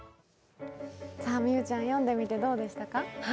美羽ちゃん、読んでみていかかでしたか？